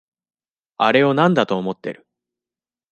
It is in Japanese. あれをなんだと思ってる？